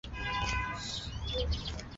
桥两端为各自的哨站。